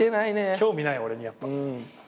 興味ない俺にやっぱ。